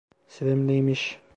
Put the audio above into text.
Sevimliymiş.